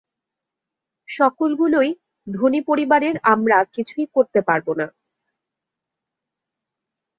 সকলগুলোই ধনী পরিবারের আমরা কিছুই করতে পারবো না।